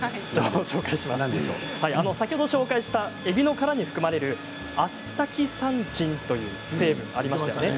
先ほど紹介したえびの殻に含まれるアスタキサンチンという成分がありましたね。